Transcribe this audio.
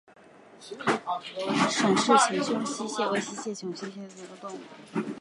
沈氏浅胸溪蟹为溪蟹科浅胸溪蟹属的动物。